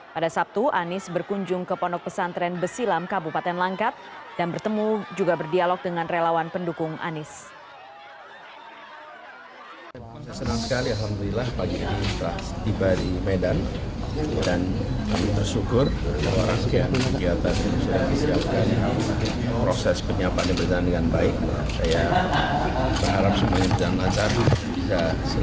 pada sabtu anis berkunjung ke pondok pesantren besilam kabupaten langkat dan bertemu juga berdialog dengan relawan pendukung anis